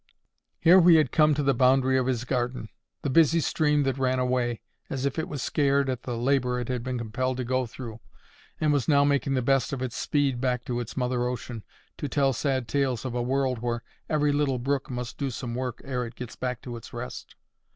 Here we had come to the boundary of his garden—the busy stream that ran away, as if it was scared at the labour it had been compelled to go through, and was now making the best of its speed back to its mother ocean, to tell sad tales of a world where every little brook must do some work ere it gets back to its rest.